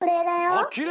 あっきれい！